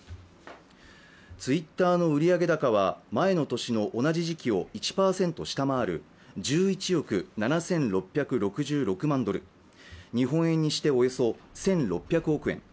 ツイッターの売上高は前の年の同じ時期を１％下回る１１億７６６６億万ドル、日本円にして、およそ１６００億円。